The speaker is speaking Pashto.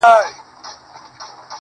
چي زړه ته، ته راغلې په مخه رقيب هم راغی~